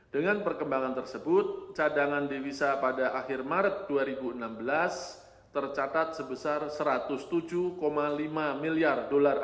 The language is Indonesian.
dengan perkembangan tersebut cadangan devisa pada akhir maret dua ribu enam belas tercatat sebesar rp satu ratus tujuh lima miliar